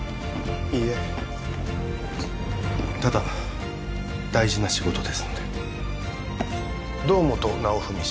いいえただ大事な仕事ですので堂本尚史氏